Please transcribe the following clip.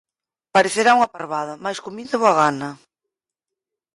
Parecerá unha parvada, mais comín de boa gana.